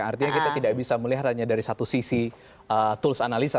artinya kita tidak bisa melihat hanya dari satu sisi tools analisa